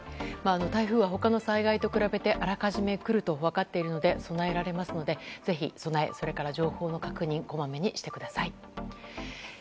台風は他の災害と比べてあらかじめ来ると分かっているので備えられますのでぜひ備え、それから情報確認をこまめにしてください。